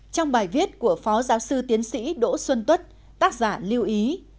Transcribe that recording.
trong bài viết của phó giáo sư tiến sĩ đỗ xuân tuất tác giả lưu ý